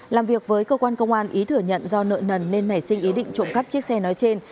làm việc với cơ quan công an ý thừa nhận do nợ nần nên nảy sinh ý định trộm cắp chiếc xe nói trên